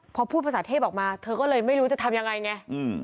พอพูดภาษาเทพออกมาเธอก็เลยไม่รู้จะทำยังไงไง